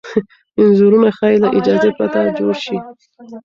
انځورونه ښايي له اجازې پرته جوړ شي.